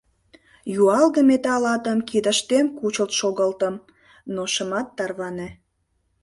Юалге металл атым кидыштем кучылт шогылтым, но шымат тарване.